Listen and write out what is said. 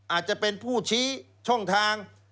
อาจจะเป็นผู้ชี้ช่องทาง